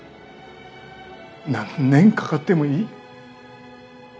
何年かかってもいい。